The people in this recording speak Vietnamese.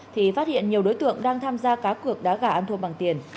thì phát hiện nhiều đối tượng đang tham gia các cuộc đá gà ăn thua bằng tiền